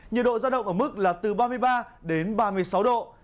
nhiệt độ giao động ở mức là từ ba mươi ba đến ba mươi sáu độ